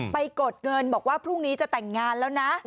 กดเงินบอกว่าพรุ่งนี้จะแต่งงานแล้วนะ